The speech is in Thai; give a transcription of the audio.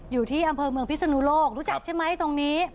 อยู่ที่อำเภอเมืองพิศนุโลกรู้จักใช่ไหมตรงนี้